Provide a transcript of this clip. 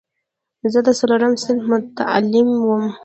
زه د څلورم صنف متعلم وم.